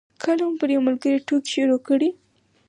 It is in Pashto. کله مو پر یو ملګري ټوکې شروع کړې.